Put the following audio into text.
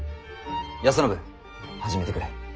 康信始めてくれ。